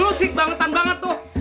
lo sik bangetan banget tuh